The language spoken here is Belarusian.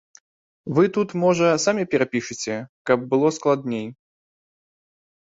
Вы тут, можа, самі перапішаце, каб было складней.